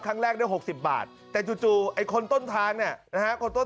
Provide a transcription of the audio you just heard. ครั้งแรกได้๖๐บาทแต่จู่คนต้นทางเนี่ย